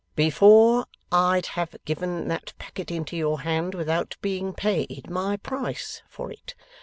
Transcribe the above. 'Before I'd have given that packet into your hand without being paid my price for it.